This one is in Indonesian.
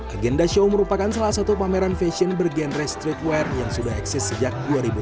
agenda show merupakan salah satu pameran fashion bergenre streetwear yang sudah eksis sejak dua ribu tujuh belas